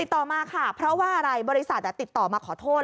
ต่อมาค่ะเพราะว่าอะไรบริษัทติดต่อมาขอโทษ